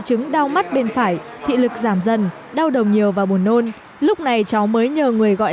chứng đau mắt bên phải thị lực giảm dần đau đầu nhiều và buồn nôn lúc này cháu mới nhờ người gọi